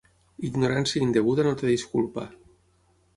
Ignorància indeguda no té disculpa.